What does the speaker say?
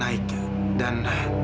kata dokter kak